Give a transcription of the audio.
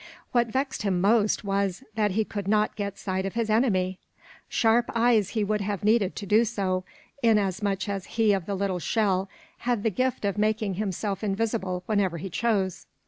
What vexed him most, was, that he could not get sight of his enemy. Sharp eyes he would have needed to do so, inasmuch as He of the Little Shell had the gift of making himself invisible whenever he chose.